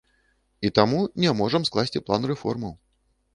І таму не можам скласці план рэформаў.